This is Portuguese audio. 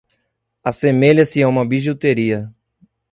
Assemelha-se a uma bijuteria